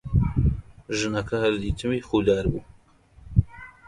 ژنەکە هەر دیتمی خودار بوو: